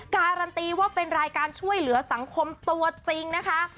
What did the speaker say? การันตีว่าเป็นรายการช่วยเหลือสังคมตัวจริงนะคะ